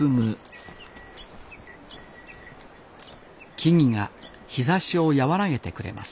木々が日ざしを和らげてくれます。